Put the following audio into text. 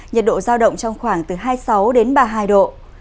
nhiệt độ giao động trong khoảng từ hai mươi sáu đến ba mươi hai độ